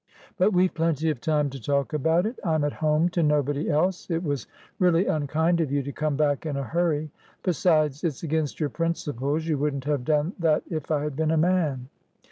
But we've plenty of time to talk about it. I'm at home to nobody else. It was really unkind of you to come back in a hurry! Besides, it's against your principles. You wouldn't have done that if I had been a man."